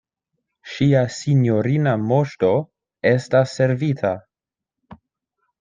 Ŝia sinjorina Moŝto estas servita!